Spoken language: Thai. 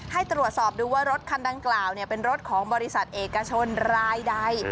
ให้ตรวจสอบดูว่ารถคันดังกล่าวเป็นรถของบริษัทเอกชนรายใด